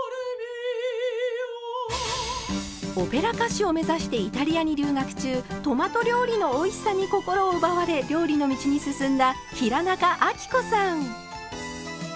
オペラ歌手を目指してイタリアに留学中トマト料理のおいしさに心を奪われ料理の道に進んだ平仲亜貴子さん。